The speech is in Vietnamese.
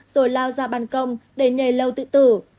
rồi lao ra bàn công để nhầy lâu tự tử